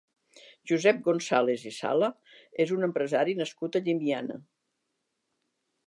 Josep González i Sala és un empresari nascut a Llimiana.